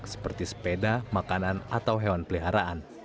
seperti sepeda makanan atau hewan peliharaan